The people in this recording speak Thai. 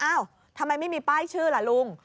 ทำไมไม่มีป้ายชื่อล่ะลุง